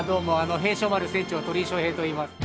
平昌丸船長鳥井祥平と言います。